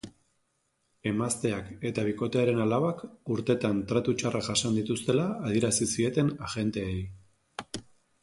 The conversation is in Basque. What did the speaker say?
Emazteak eta bikotearen alabak urtetan tratu txarrak jasan dituztela adierazi zieten agenteei.